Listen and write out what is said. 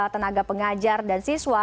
tenaga pengajar dan siswa